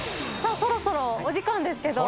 そろそろお時間ですけど。